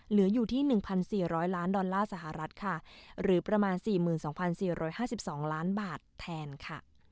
เหลืออยู่ที่๑๔๐๐ล้านดอลลาร์สหรัฐค่ะหรือประมาณ๔๒๔๕๒ล้านบาทแทนค่ะ